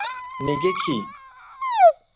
Negaki